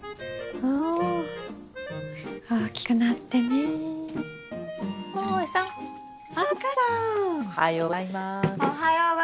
おはようございます。